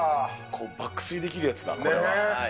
爆睡できるやつだ、これは。ねぇ。